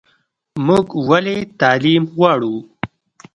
موږ ولې تعلیم غواړو؟